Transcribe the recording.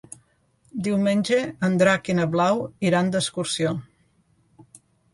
Diumenge en Drac i na Blau iran d'excursió.